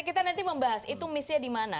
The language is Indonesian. kita nanti membahas itu missnya di mana